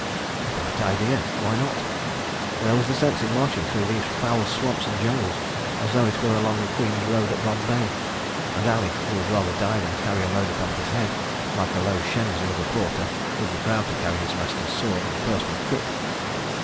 A bright idea! Why not? Where was the sense in marching through these foul swamps and jungles as though it were along the Queen's Road at Bombay? And Ali, who would rather die than carry a load upon his head, like a low shenzi of a porter, would be proud to carry his master's sword and personal kit.